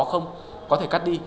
không có thể cắt đi